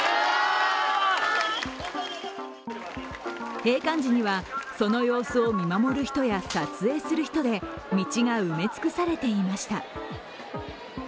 閉館時にはその様子を見守る人や撮影する人で、道が埋め尽くされていました。